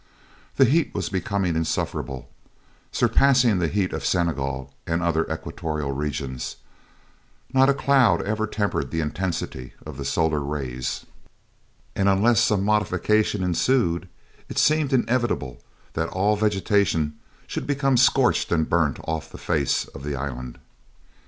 The heat was becoming insufferable, surpassing the heat of Senegal and other equatorial regions; not a cloud ever tempered the intensity of the solar rays; and unless some modification ensued, it seemed inevitable that all vegetation should become scorched and burnt off from the face of the island.